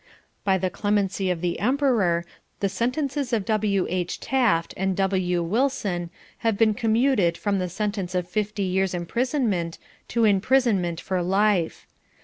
By the clemency of the Emperor the sentences of W. H. Taft, and W. Wilson have been commuted from the sentence of fifty years imprisonment to imprisonment for life.